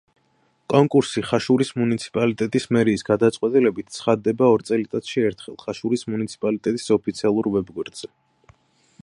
კონკურსი ხაშურის მუნიციპალიტეტის მერის გადაწყვეტილებით ცხადდება ორ წელიწადში ერთხელ ხაშურის მუნიციპალიტეტის ოფიციალურ ვებგვერდზე.